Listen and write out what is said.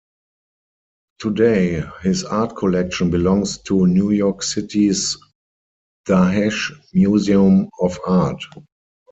Today, his art collection belongs to New York City's Dahesh Museum of Art.